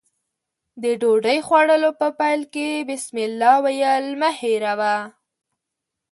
د ډوډۍ خوړلو په پیل کې بسمالله ويل مه هېروه.